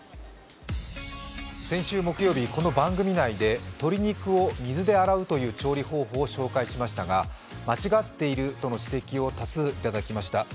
先週木曜日、この番組内で鶏肉を水で洗うという調理方法を紹介しましたが、間違っているとの指摘を多数いただきました。